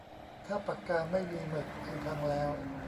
ถ้าปากกาไม่มีหมึกคือพังแล้ว